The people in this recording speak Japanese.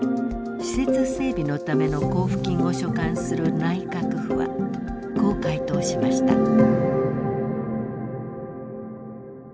施設整備のための交付金を所管する内閣府はこう回答しました。